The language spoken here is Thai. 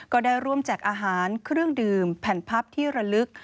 ก็ได้ร่วมแจกอาหารเครื่องดื่มแผ่นพับที่ระลึก